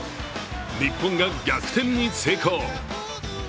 日本が逆転に成功。